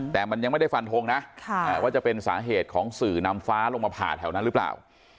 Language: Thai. แต่มันยังไม่ได้ฟันทงนะว่าจะเป็นสาเหตุของสื่อนำฟ้าลงมาผ่าแถวนั้นหรือเปล่า